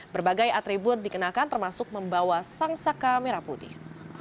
berbagai atribut dikenakan termasuk membawa sangsaka merah putih